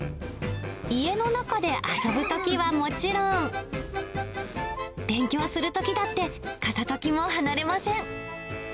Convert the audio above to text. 家の中で遊ぶときはもちろん、勉強するときだって、片時も離れません。